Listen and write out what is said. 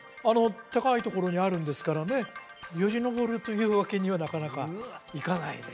高いところにあるんですからねよじのぼるというわけにはなかなかいかないでしょうね